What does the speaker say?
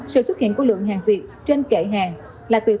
sự xuất hiện của lượng hàng việt trên kệ hàng là tuyệt tám mươi